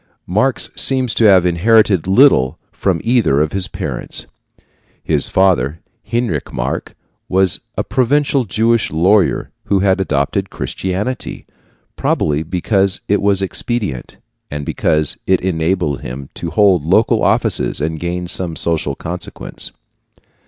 Marx seems to have inherited little from either of his parents. His father, Heinrich Marx, was a provincial Jewish lawyer who had adopted Christianity, probably because it was expedient, and because it enabled him to hold local offices and gain some social consequence.